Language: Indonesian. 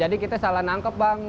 jadi kita salah nangkep bang